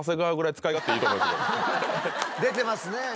出てますね。